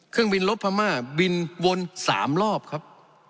เครื่องบินลบพม่าบินวน๓รอบครับ